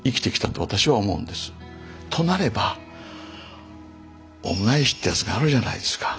となれば恩返しってやつがあるじゃないですか。